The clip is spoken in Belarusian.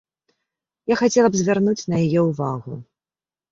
Я хацела б звярнуць на яе ўвагу.